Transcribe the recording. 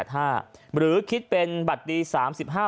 หรือคิดเป็นบัตรดี๓๕๕๓๒๖๔๕ใบ